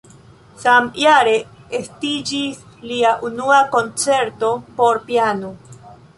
Samjare estiĝis lia unua koncerto por piano.